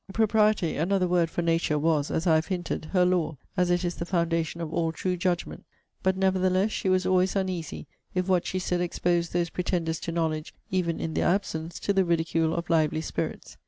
Propriety, another word for nature, was (as I have hinted) her law, as it is the foundation of all true judgment. But, nevertheless, she was always uneasy, if what she said exposed those pretenders to knowledge, even in their absence, to the ridicule of lively spirits.